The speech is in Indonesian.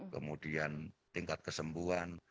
kemudian tingkat kesembuhan